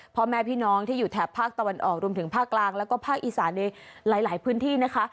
พ่อแม่พี่น้องที่อยู่แถบภาคตะวันออกรวมถึงภาคกลางแล้วก็ภาคอีสานในหลายพื้นที่นะคะ